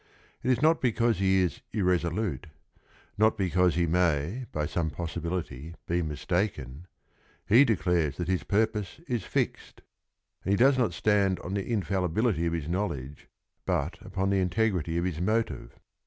It is not because he is "irresolute," not because he may by some possibility be mis taken. He d eclares that his purp ose is fixed; and he do es not stand on fop infallihility nf his knowl edge, hut upon the integrity of h is moti ve.